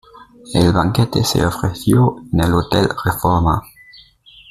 El banquete se ofreció en el Hotel Reforma.